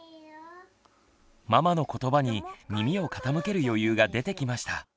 ママのことばに耳を傾ける余裕が出てきました。